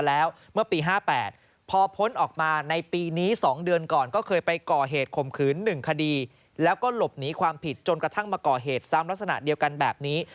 แล้วก็หลบหนีความผิดจนกระทั่งมาก่อเหตุซ้ำลักษณะเดียวกันแบบนี้